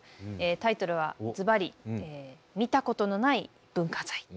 タイトルはずばり「見たことのない文化財」。